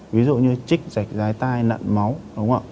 ví dụ như chích giải tai nặn